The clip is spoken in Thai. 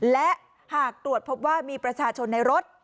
และหากตรวจพบว่ามีประชาชนในรถ